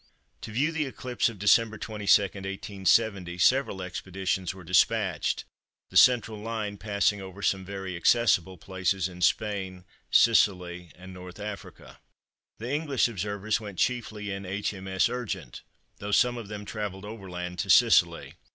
To view the eclipse of December 22, 1870, several expeditions were dispatched, the central line passing over some very accessible places in Spain, Sicily, and North Africa. The English observers went chiefly in H.M.S. Urgent, though some of them travelled overland to Sicily.